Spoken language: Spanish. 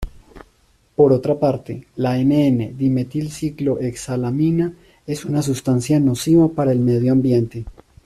Por otra parte, la "N,N"-dimetilciclohexilamina es una sustancia nociva para el medio ambiente.